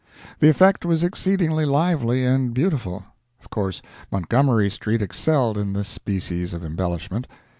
The effect was exceedingly lively and beautiful. Of course Montgomery street excelled in this species of embellishment.